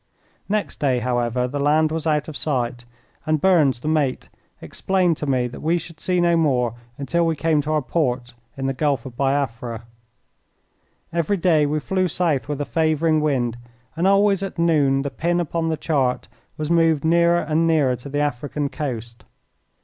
Next day, however, the land was out of sight, and Burns, the mate, explained to me that we should see no more until we came to our port in the Gulf of Biafra. Every day we flew south with a favouring wind, and always at noon the pin upon the chart was moved nearer and nearer to the African coast.